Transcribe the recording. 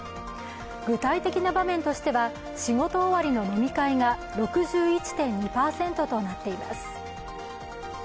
具体的な場面としては、仕事終わりの飲み会が６１．２％となっています。